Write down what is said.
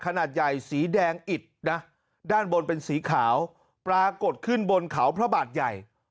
ขนาดใหญ่สีแดงอิดนะด้านบนเป็นสีขาวปรากฏขึ้นบนเขาพระบาทใหญ่